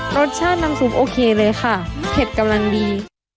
รสชาติน้ำซุปโอเคเลยค่ะเผ็ดกำลังดี